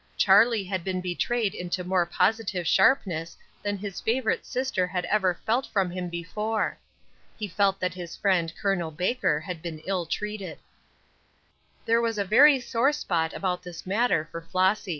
Charlie had been betrayed into more positive sharpness than this favorite sister had ever felt from him before. He felt that his friend Col. Baker had been ill treated. There was a very sore spot about this matter for Flossy.